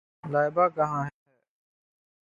لائبہ کہاں ہے؟